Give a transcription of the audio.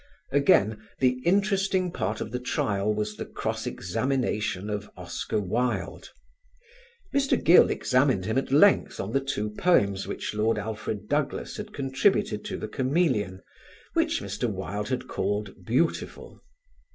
Again, the interesting part of the trial was the cross examination of Oscar Wilde. Mr. Gill examined him at length on the two poems which Lord Alfred Douglas had contributed to The Chameleon, which Mr. Wilde had called "beautiful."